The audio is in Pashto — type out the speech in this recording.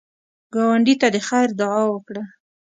ګاونډي ته د خیر دعا وکړه